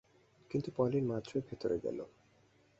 কিন্তু পলিন মাত্রই ভেতরে গেল।